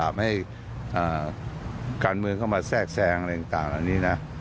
ให้การเมืองเข้ามาแทรกแซงอะไรต่างอันนี้นะ